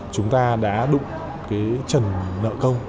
chúng ta đã đụng cái trần nợ công